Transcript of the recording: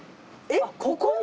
えっここ？